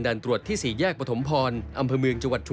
มันยกสูงอีกกว่าไม่รู้ไม่แน่ใจเหมือนการกู